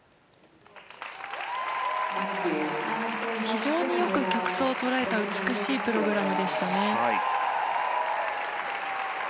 非常によく曲想を捉えた美しいプログラムでした。